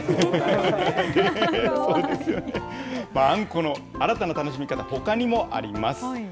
あんこの新たな楽しみ方、ほかにもあります。